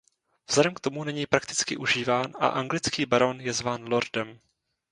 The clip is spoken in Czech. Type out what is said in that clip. Vzhledem k tomu není prakticky užíván a anglický baron je zván lordem.